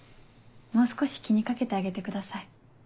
もう少し気に掛けてあげてください。